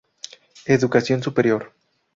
Educación superior.